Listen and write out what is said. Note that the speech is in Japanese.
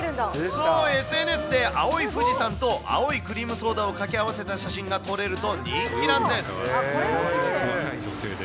そう、ＳＮＳで青い富士山と青いクリームソーダを掛け合わせた写真が撮土曜日は７割が若い女性で。